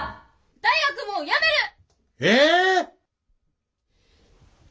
大学もうやめる！ええ！？